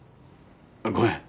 ごめん。